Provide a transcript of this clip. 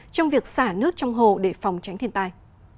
trong việc xả nước trong hồ để phòng tránh thiền tài